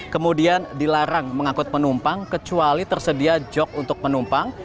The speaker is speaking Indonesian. kemudian dilarang mengangkut penumpang kecuali tersedia jok untuk penumpang